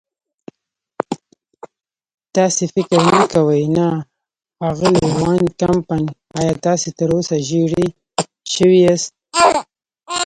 تاسې فکر نه کوئ؟ نه، اغلې وان کمپن، ایا تاسې تراوسه ژېړی شوي یاست؟